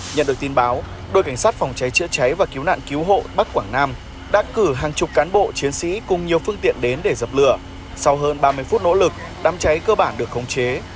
nhận được tin báo đội cảnh sát phòng cháy chữa cháy và cứu nạn cứu hộ bắc quảng nam đã cử hàng chục cán bộ chiến sĩ cùng nhiều phương tiện đến để dập lửa sau hơn ba mươi phút nỗ lực đám cháy cơ bản được khống chế